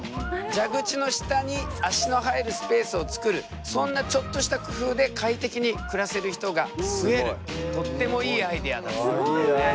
蛇口の下に足の入るスペースを作るそんなちょっとした工夫で快適に暮らせる人が増えるとってもいいアイデアだと思うよね。